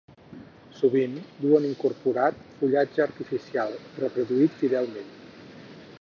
Sovint duen incorporat fullatge artificial, reproduït fidelment.